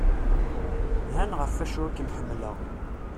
Han ɣef acu i k(m)-ḥemmleɣ.